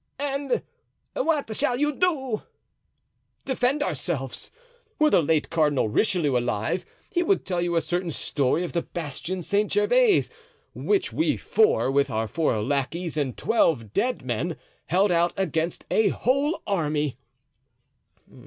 "And what shall you do?" "Defend ourselves. Were the late Cardinal Richelieu alive he would tell you a certain story of the Bastion Saint Gervais, which we four, with our four lackeys and twelve dead men, held out against a whole army."